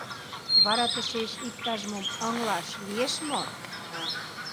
Вара тышеч иктаж-мом ыҥлаш лиеш мо?